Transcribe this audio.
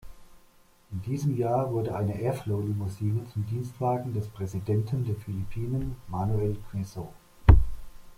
In diesem Jahr wurde eine Airflow-Limousine zum Dienstwagen des Präsidenten der Philippinen, Manuel Quezon.